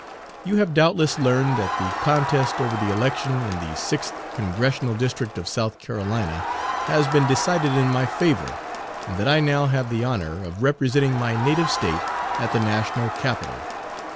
You have doubtless learned that the contest over the election in the Sixth Congressional District of South Carolina has been decided in my favor, and that I now have the honor of representing my native State at the national capital.